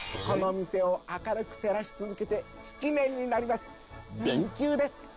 「この店を明るく照らし続けて７年になります電球です」。